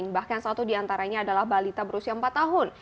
bahkan satu di antaranya adalah balita berusia empat tahun